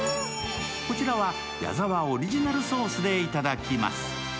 こちらは矢澤オリジナルソースでいただきます。